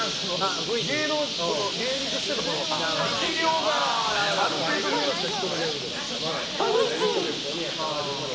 芸人としての力量がある程度見えますから。